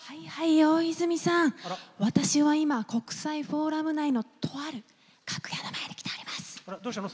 大泉さん、私は今国際フォーラム内のとある楽屋の前に来ております。